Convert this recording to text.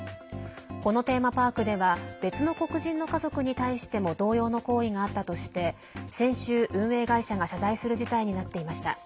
このテーマパークでは別の黒人の家族に対しても同様の行為があったとして先週、運営会社が謝罪する事態になっていました。